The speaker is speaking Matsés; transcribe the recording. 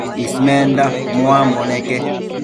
Ismenda muambo neque